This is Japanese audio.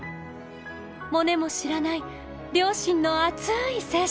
モネも知らない両親の熱い青春！